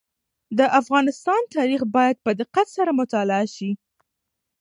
د افغانستان تاریخ باید په دقت سره مطالعه شي.